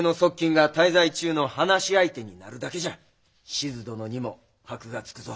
志津殿にも箔が付くぞ。